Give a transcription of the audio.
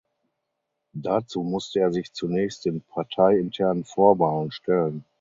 Dazu musste er sich zunächst den parteiinternen Vorwahlen stellen.